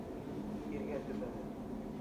Иргә төбәне.